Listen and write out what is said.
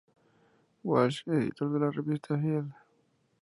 Walsh, editor de la revista "Field".